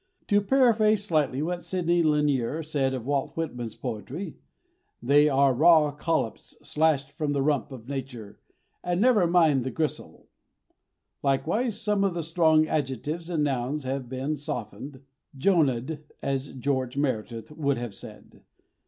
To paraphrase slightly what Sidney Lanier said of Walt Whitman's poetry, they are raw collops slashed from the rump of Nature, and never mind the gristle. Likewise some of the strong adjectives and nouns have been softened, Jonahed, as George Meredith would have said.